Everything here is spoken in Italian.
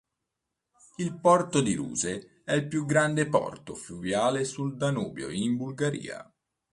Il porto di Ruse è il più grande porto fluviale sul Danubio in Bulgaria.